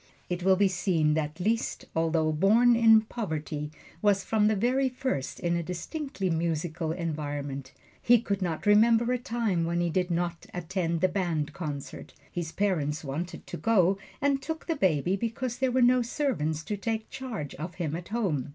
It will be seen that Liszt, although born in poverty, was from the very first in a distinctly musical environment. He could not remember a time when he did not attend the band concerts his parents wanted to go, and took the baby because there were no servants to take charge of him at home.